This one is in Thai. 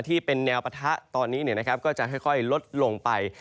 ที่เป็นแนวปะทะตอนนี้ก็จะค่อยลดลงไป